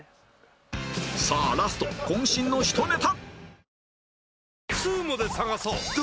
さあラスト渾身のひとネタ！